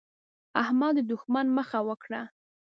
احمد د دوښمن مخه وکړه.